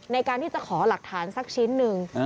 ในการที่จะขอหลักฐานสักชิ้นหนึ่ง